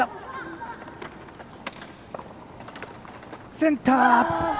センター！